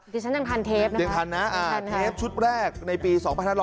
ดิฉันยังทันเทปนะครับยังทันนะอ่าเทปชุดแรกในปี๒๑๒๔